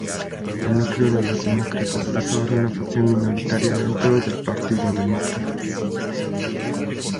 El núcleo de Los Demócratas es ahora una facción minoritaria dentro del Partido Demócrata.